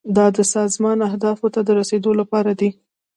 دا د سازمان اهدافو ته د رسیدو لپاره دی.